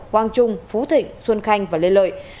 quang trung phú thịnh xuân khanh và lê lợi